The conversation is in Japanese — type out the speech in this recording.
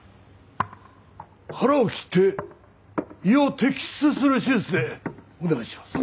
腹を切って胃を摘出する手術でお願いします。